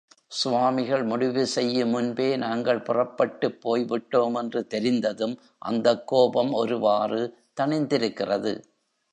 சுவாமிகள் முடிவு செய்யுமுன்பே நாங்கள் புறப்பட்டுப் போய்விட்டோமென்று தெரிந்ததும், அந்தக்கோபம் ஒருவாறு தணிந்திருக்கிறது.